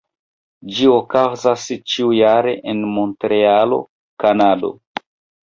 Ĝi okazas ĉiujare en Montrealo, Kanado.